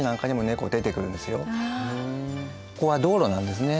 ここは道路なんですね。